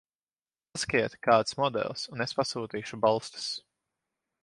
Pasakiet kāds modelis un es pasūtīšu balstus.